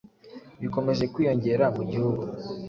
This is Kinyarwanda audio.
bikomeje kwiyongera mu gihugu